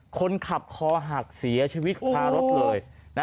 คนขับคอหักเสียชีวิตคารถเลย